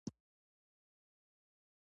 د پروفيسر تر عينکو لاندې اوبه وځلېدې.